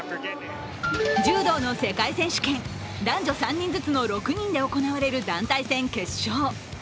柔道の世界選手権、男女３人ずつの６人で行われる団体戦決勝。